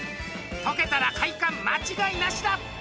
解けたら快感、間違いなしだ！